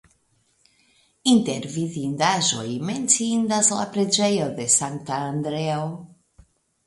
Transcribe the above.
Inter vidindaĵoj menciindas la preĝejo de Sankta Andreo.